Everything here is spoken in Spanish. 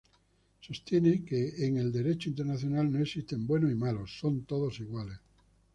Sostiene que, en el derecho internacional, no existen buenos y malos, son todos iguales.